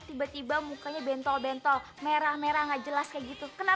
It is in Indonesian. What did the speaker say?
tiba tiba mukanya bentol bentol